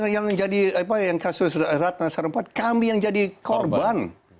yang jadi apa yang kasus ratna sarumpait kami yang jadi korban